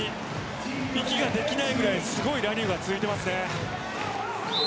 息ができないぐらいすごいラリーが続いています。